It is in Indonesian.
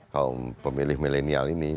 kaum pemilih milenial ini